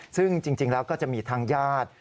ซึ่งจริงแล้วก็จะมีทางญาติ